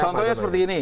contohnya seperti ini